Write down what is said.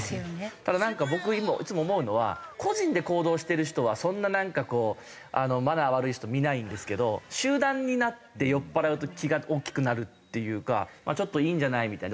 ただなんか僕いつも思うのは個人で行動してる人はそんななんかこうマナー悪い人見ないんですけど集団になって酔っぱらうと気が大きくなるっていうかちょっといいんじゃない？みたいな。